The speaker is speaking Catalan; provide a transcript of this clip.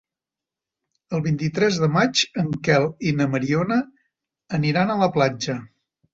El vint-i-tres de maig en Quel i na Mariona aniran a la platja.